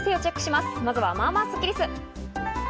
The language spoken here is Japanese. まずは、まあまあスッキりす。